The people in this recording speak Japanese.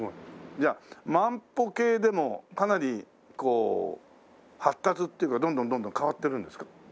じゃあ万歩計でもかなりこう発達っていうかどんどんどんどん変わってるんですか？